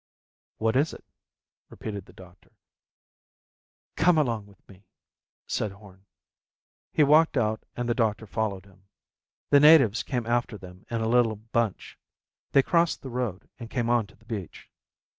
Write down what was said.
"What is it?" repeated the doctor. "Come along with me," said Horn. He walked out and the doctor followed him. The natives came after them in a little bunch. They crossed the road and came on to the beach.